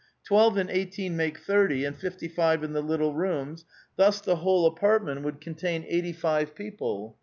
Twelve and eighteen make thirty, and fifty five in the little rooms ; thus the whole apartment would contain eighty five people.